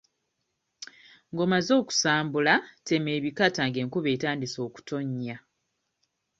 Ng'omaze okusambula tema ebikata ng'enkuba etandise okutonnya.